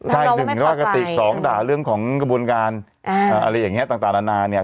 ใช่๑ว่ากระติกสองก็ด่าเรื่องของกระบวนการ